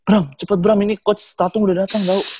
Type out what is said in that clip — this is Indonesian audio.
ram cepet bram ini coach tatung udah dateng gak lu